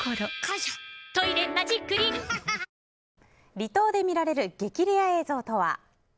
離島で見られる激レア映像とは。